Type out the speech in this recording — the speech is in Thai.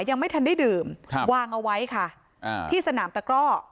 ยังไม่ทันได้ดื่มครับวางเอาไว้ค่ะอ่าที่สนามตะกร่อ